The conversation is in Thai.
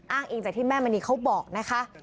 อ้างเองจากที่แม่มณีเขาบอกนะคะ